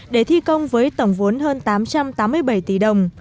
đề thi công với tổng vốn hơn tám trăm tám mươi bốn